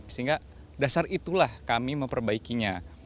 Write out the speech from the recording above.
sehingga dasar itulah kami memperbaikinya